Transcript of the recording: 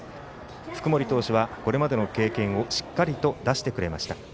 福盛投手はこれまでの経験をしっかりと出してくれました。